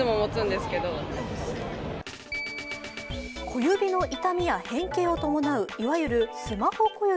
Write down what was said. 小指の痛みや変形を伴ういわゆるスマホ小指。